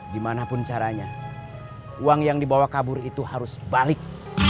dimanapun caranya uang yang dibawa kabur itu harus balik